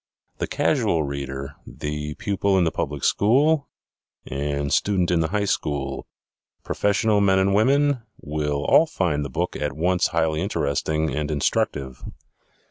The casual reader, the pupil in the public school and student in the high school, professional men and women, will all find the book at once highly interesting and instructive.